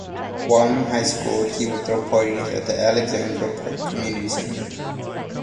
While in high school, he would throw parties at the Alexandra Park Community Centre.